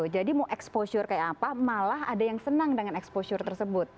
jadi mau exposure kayak apa malah ada yang senang dengan exposure tersebut